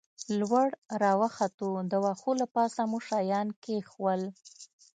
لوړ را وختو، د وښو له پاسه مو شیان کېښوول.